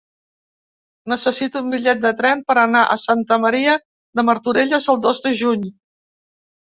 Necessito un bitllet de tren per anar a Santa Maria de Martorelles el dos de juny.